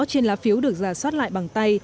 trên lá phiếu được ra soát lại bằng tay